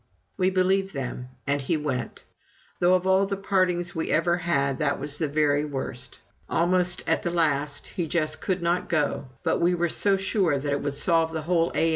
We believed them, and he went; though of all the partings we ever had, that was the very worst. Almost at the last he just could not go; but we were so sure that it would solve the whole A.